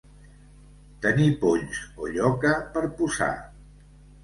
Tenir polls o lloca per posar.